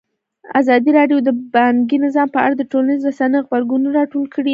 ازادي راډیو د بانکي نظام په اړه د ټولنیزو رسنیو غبرګونونه راټول کړي.